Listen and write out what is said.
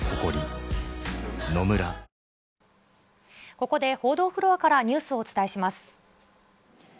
ここで報道フロアからニュースをお伝えします。